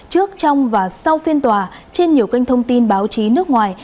trước trong và sau phiên tòa trên nhiều kênh thông tin báo chí nước ngoài